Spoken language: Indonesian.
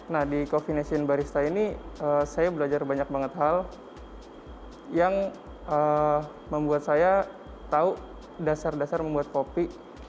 nah di coffee nation barista ini saya belajar banyak banget hal yang membuat saya tahu dasar dasar membuat kopi